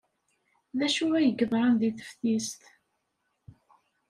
D acu ay yeḍran deg teftist?